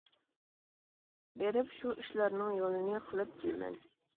بېرىپ شۇ ئىشلارنىڭ يولىنى قىلىپ كېلىمەن.